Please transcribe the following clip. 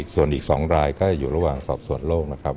ส่วนอีก๒รายก็อยู่ระหว่างสอบสวนโลกนะครับ